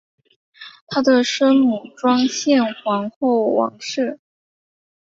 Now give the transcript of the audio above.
她的生母庄宪皇后王氏。